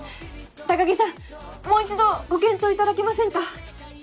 高木さんもう一度ご検討いただけませんか？